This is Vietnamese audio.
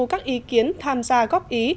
các ý kiến tham gia góp ý